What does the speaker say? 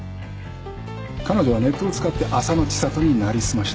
彼女はネットを使って浅野知里になりすました。